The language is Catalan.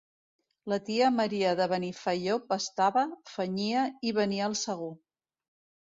La tia Maria de Benifaió pastava, fenyia i venia el segó.